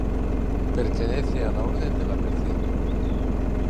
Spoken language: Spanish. Pertenece a la Orden de la Merced.